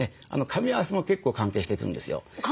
かみ合わせも結構関係してくるんですよ。